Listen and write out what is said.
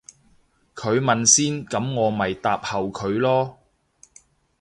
佢問先噉我咪答後佢咯